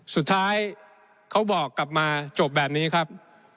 เขาบอกกลับมาจบแบบนี้ครับ